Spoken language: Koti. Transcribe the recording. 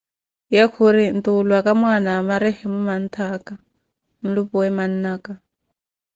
Ye khuri ntulwaka mwana wa marehemo manttaka nlu'puwe man'naka